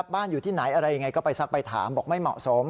บ้านอยู่ที่ไหนอะไรยังไงก็ไปซักไปถามบอกไม่เหมาะสม